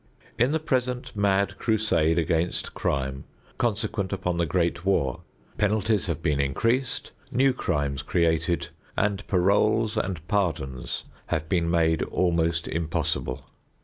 In the present mad crusade against crime consequent upon the Great War, penalties have been increased, new crimes created, and paroles and pardons have been made almost impossible.